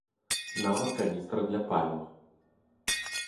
Нават каністра для паліва.